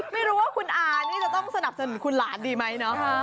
ไม่รู้ว่าคุณอานี่จะต้องสนับสนุนคุณหลานดีไหมเนาะ